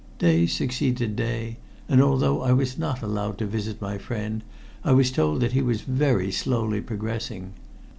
Day succeeded day, and although I was not allowed to visit my friend, I was told that he was very slowly progressing.